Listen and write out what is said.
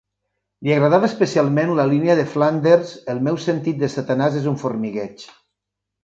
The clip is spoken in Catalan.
Li agradava especialment la línia de Flanders El meu sentit de Satanàs és un formigueig.